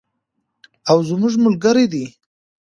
او زموږ ملګری دی.